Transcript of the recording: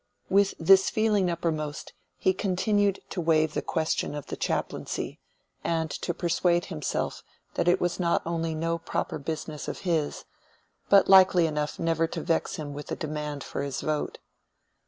With this feeling uppermost, he continued to waive the question of the chaplaincy, and to persuade himself that it was not only no proper business of his, but likely enough never to vex him with a demand for his vote.